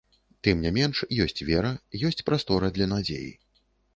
Тым не менш, ёсць вера, ёсць прастора для надзеі.